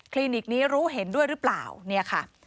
นิกนี้รู้เห็นด้วยหรือเปล่าเนี่ยค่ะ